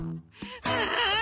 うん。